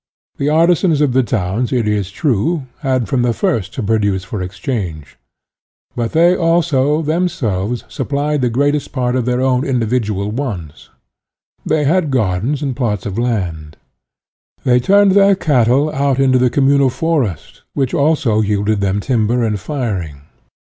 The artisans of the towns, it is true, had from the first to produce for exchange. But they, also, themselves supplied the 108 SOCIALISM greatest part of their own individual wants. They had gardens and plots of land. They turned their cattle out into the communal forest, which, also, yielded them timber and firing.